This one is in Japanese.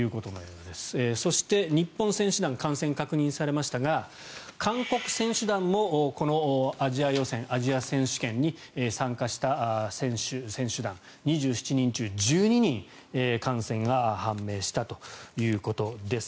そして日本選手団感染確認されましたが韓国選手団もこのアジア予選、アジア選手権に参加した選手、選手団２７人中１２人感染が判明したということです。